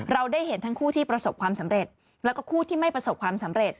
เราได้เห็นทั้งคู่ที่ประสบความสำเร็จแล้วก็คู่ที่ไม่ประสบความสำเร็จ